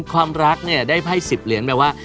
ความรักเนี่ยได้ไพ่๑๐เหรียญแปลว่า